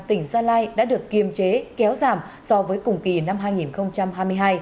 tỉnh gia lai đã được kiềm chế kéo giảm so với cùng kỳ năm hai nghìn hai mươi hai